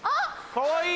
かわいい！